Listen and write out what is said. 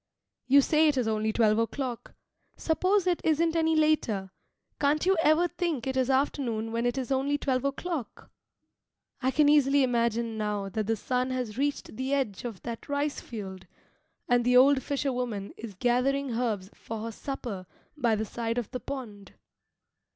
You say it is only twelve o'clock. Suppose it isn't any later; can't you ever think it is afternoon when it is only twelve o'clock? I can easily imagine now that the sun has reached the edge of that rice field, and the old fisher woman is gathering herbs for her supper by the side of the pond.